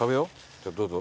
じゃあどうぞ。